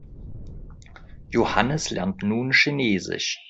Johannes lernt nun Chinesisch.